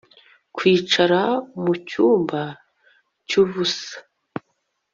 kwicara mucyumba cyubusa